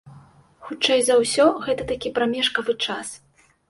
Хутчэй за ўсё, гэта такі прамежкавы час.